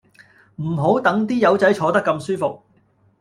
唔好等啲友仔坐得咁舒服